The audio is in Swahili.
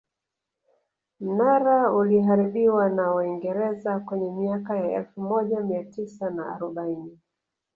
Mnara uliharibiwa na waingereza kwenye miaka ya elfu moja mia tisa na arobaini